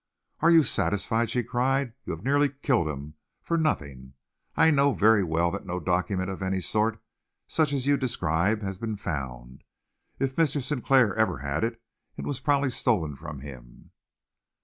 "Are you satisfied?" she cried. "You have nearly killed him for nothing. I know very well that no document of any sort such as you describe has been found. If Mr. Sinclair ever had it, it was probably stolen from him."